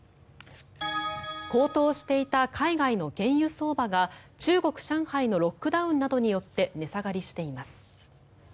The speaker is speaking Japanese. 高騰していた海外の原油相場が中国・上海のロックダウンなどによって値下がりしています。